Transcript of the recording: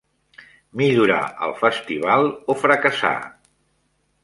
Millorar el Festival", o "Fracassar!